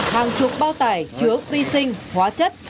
hàng chuộc bao tải chứa vi sinh hóa chất